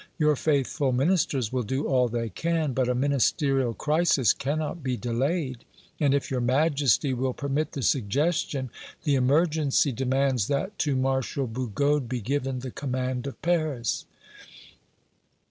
Your faithful Ministers will do all they can, but a Ministerial crisis cannot be delayed; and, if your Majesty will permit the suggestion, the emergency demands that to Marshal Bugeaud be given the command of Paris."